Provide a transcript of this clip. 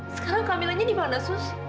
sekarang kehamilannya di mana sus